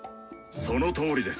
そのとおりです。